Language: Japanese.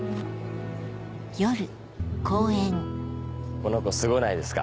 「この子すごないですか？」。